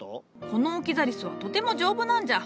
このオキザリスはとても丈夫なんじゃ。